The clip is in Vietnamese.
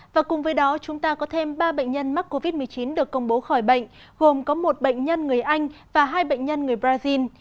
và cùng với đó chúng ta có thêm ba bệnh nhân mắc covid một mươi chín được công bố khỏi bệnh gồm có một bệnh nhân người anh và hai bệnh nhân người brazil